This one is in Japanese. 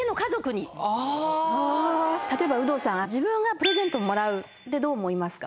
例えば有働さん自分がプレゼントもらうってどう思いますか？